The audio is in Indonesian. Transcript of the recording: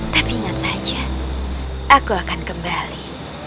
tapi ingat saja aku akan kembali